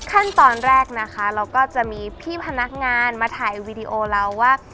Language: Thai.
ขั้นตอนแรกนะคะเราก็จะมีพี่พนักงานมาถ่ายวีดีโอเราว่า